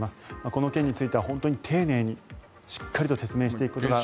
この件について本当に丁寧にしっかり説明していくことが。